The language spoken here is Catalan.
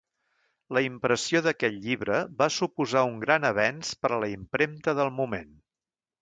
La impressió d'aquest llibre va suposar un gran avenç per a la impremta del moment.